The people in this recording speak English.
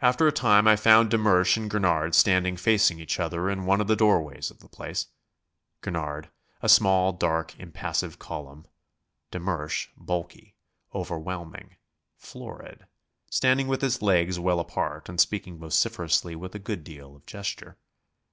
After a time I found de Mersch and Gurnard standing facing each other in one of the doorways of the place Gurnard, a small, dark, impassive column; de Mersch, bulky, overwhelming, florid, standing with his legs well apart and speaking vociferously with a good deal of gesture.